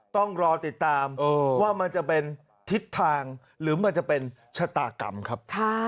ต้องรอติดตามว่ามันจะเป็นทิศทางหรือมันจะเป็นชะตากรรมครับ